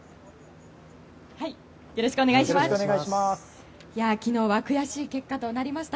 よろしくお願いします。